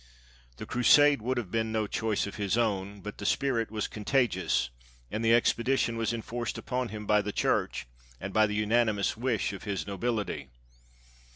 The Crusade would have been no choice of his own, but the spirit was con tagious, and the expedition was enforced upon him by the Church, and by the unanimous wish of his nobility.